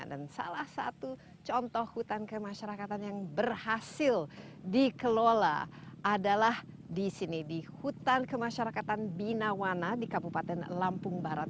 dan salah satu contoh hutan kemasyarakatan yang berhasil dikelola adalah di sini di hutan kemasyarakatan binawana di kabupaten lampung barat